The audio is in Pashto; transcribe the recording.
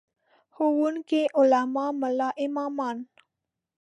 ښوونکي، علما، ملا امامان.